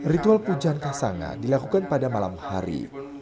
ritual pujan kasanga dilakukan pada malam hari